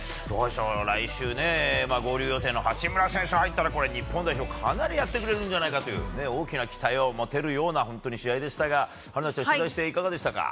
来週、合流予定の八村選手が入ったら日本代表かなりやってくれるんじゃないかという大きな期待を持てるような試合でしたが春奈ちゃん、取材していかがでしたか？